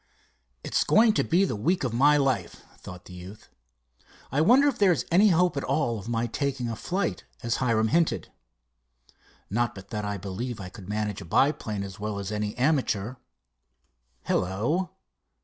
"It's going to be the week of my life," thought the youth. "I wonder if there's any hope at all of my taking a flight, as Hiram hinted. Not but that I believe I could manage a biplane as well as any amateur. Hello!"